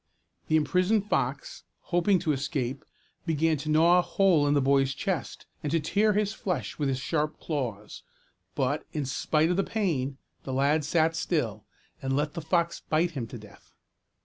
The imprisoned fox, hoping to escape, began to gnaw a hole in the boy's chest, and to tear his flesh with his sharp claws; but, in spite of the pain, the lad sat still, and let the fox bite him to death.